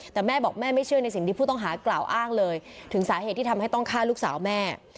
แต่แม่บอกแม่ไม่เชื่อในสิ่งที่ผู้ต้องหากล่าวอ้างเลยถึงสาเหตุที่ทำให้ต้องฆ่าลูกสาวแม่